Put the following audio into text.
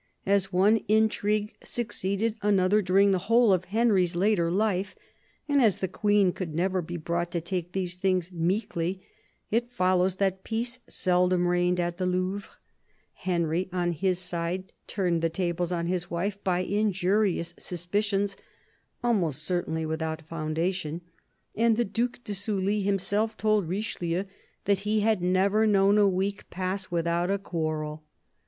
As one intrigue succeeded another during the whole of Henry's later life, and as the Queen could never be brought to take these things meekly, it follows that peace seldom reigned at the Louvre. Henry, on his THE BISHOP OF LUgON 29 side, turned the tables on his wife by injurious suspicions almost certainly without foundation, and the Due de Sully himself told Richelieu that he had never known a week pass without a quarrel.